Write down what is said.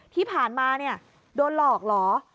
ที่ผ่านมาเนี่ยโดนหลอกเหรอ